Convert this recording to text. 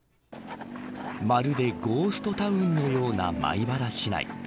まるで、ゴーストタウンのような米原市内。